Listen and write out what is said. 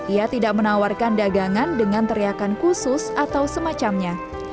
ia tidak menawarkan dagangan dengan teriakan khusus atau semacamnya